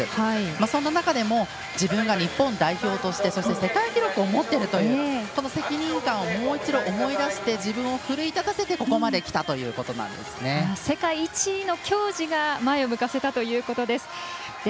そんな中で自分が日本代表としてそして世界記録を持っているという、この責任感をもう一度思い出して自分を奮い立たせてここまできたということなんですね。